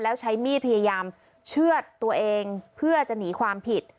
แล้วใช้มีดพยายามเชื่อดตัวเองเพื่อจะหนีความผิด